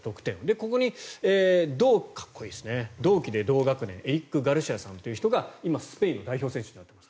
ここで同期で同学年エリック・ガルシアさんという人がスペインの代表選手なんです。